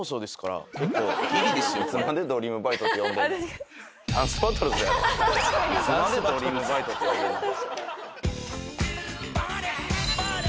いつまで『ドリームバイト』って呼んでんねん。